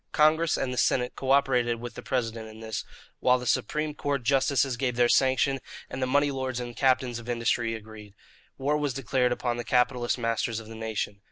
Congress and the Senate co operated with the President in this, while the Supreme Court justices gave their sanction and the money lords and the captains of industry agreed. War was declared upon the capitalist masters of the nation.